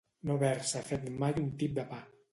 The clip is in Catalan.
No haver-se fet mai un tip de pa.